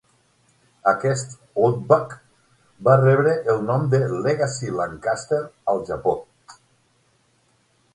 Aquest Outback va rebre el nom de "Legacy Lancaster" al Japó.